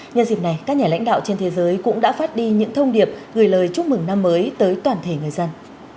nhân dịp này các nhà lãnh đạo trên thế giới cũng đã phát đi những thông điệp gửi lời chúc mừng năm mới tới toàn thể người dân